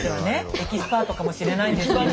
エキスパートかもしれないんですけど。